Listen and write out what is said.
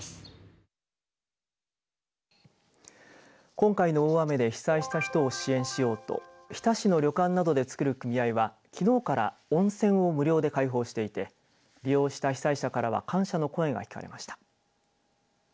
今回の大雨で被災した人を支援しようと日田市の旅館などでつくる組合はきのうから温泉を無料で開放していて利用した被災者からは感謝の声が聞かれました。